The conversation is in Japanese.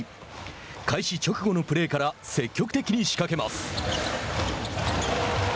開始直後のプレーから積極的にしかけます。